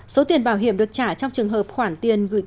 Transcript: số tiền bảo hiểm được trả trong trường hợp khoản tiền gửi